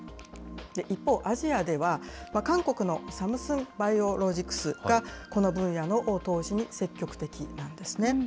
一方、アジアでは韓国のサムスンバイオロジクスが、この分野の投資に積極的なんですね。